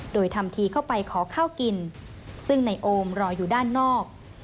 โดยทำทีเข้าไปขอข้าวกินซึ่งในโอมรออยู่ด้านนอก